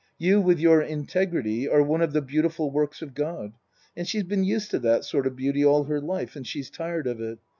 You with your integrity are one of the beautiful works of God, and she's been used to that sort of beauty all her life and she's tired of it.